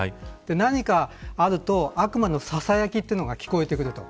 何かあると、悪魔のささやきというのが聞こえてくると。